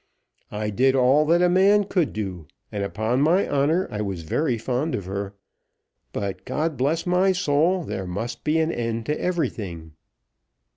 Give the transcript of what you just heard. I did all that a man could do; and upon my honour I was very fond of her. But, God bless my soul, there must be an end to everything."